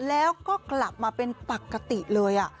แล้วก็กลับมาเป็นปกติเลย